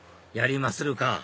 やりまするか！